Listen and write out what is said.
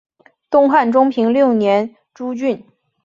东汉中平六年诸郡。